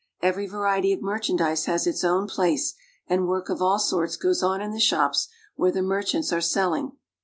Every variety of merchandise has its own place, and work of all sorts fcfoe.s on in the shops where the mer chants are selling.